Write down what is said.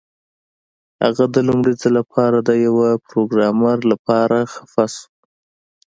هغه د لومړي ځل لپاره د یو پروګرامر لپاره خفه شو